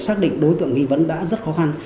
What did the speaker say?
xác định đối tượng nghi vấn đã rất khó khăn